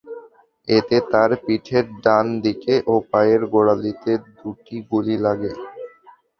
এতে তাঁর পিঠের ডান দিকে এবং পায়ের গোড়ালিতে দুটি গুলি লাগে।